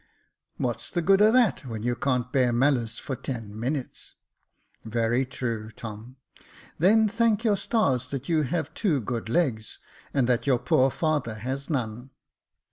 "What's the good o' that, when you can't bear malice for ten minutes ?"" Very true, Tom ; then thank your stars that you have two good legs, and that your poor father has none."